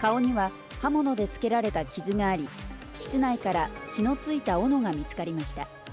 顔には刃物でつけられた傷があり、室内から血のついたおのが見つかりました。